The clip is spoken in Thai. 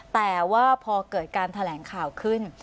แต่ว่าพอเกิดการแถลงข่าวขึ้น